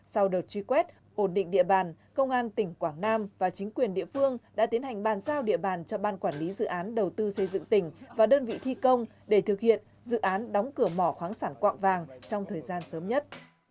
sau đợt truy quét ổn định địa bàn công an tỉnh quảng nam và chính quyền địa phương đã tiến hành bàn giao địa bàn cho ban quản lý dự án đầu tư xây dựng tỉnh và đơn vị thi công để thực hiện dự án đóng cửa mỏ khoáng sản quạng vàng trong thời gian sớm nhất